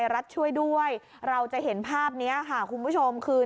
รัฐช่วยด้วยเราจะเห็นภาพนี้ค่ะคุณผู้ชมคือ